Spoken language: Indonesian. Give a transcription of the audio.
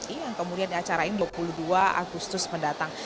iya yang kemudian di acara ini dua puluh dua agustus mendatang